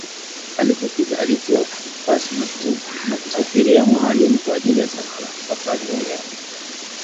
Alipofika alitoa pasi ya kusafiria maalumu kwaajili ya safari hiyo ya Kigali